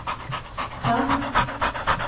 _هه!